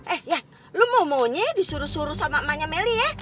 eh iyan lu mau monye disuruh suruh sama emaknya merry ya